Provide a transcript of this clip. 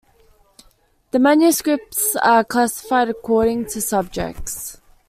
The manuscripts are classified according to subjects.